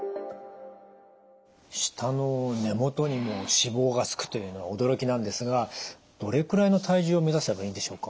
舌の根もとにも脂肪がつくというのは驚きなんですがどれくらいの体重を目指せばいいんでしょうか？